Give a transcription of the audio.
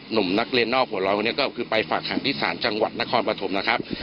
หนุ่มนักเรียนนอกหัวเราะวันนี้ก็คือไปฝากหางที่ศาลจังหวัดนครปฐมนะครับ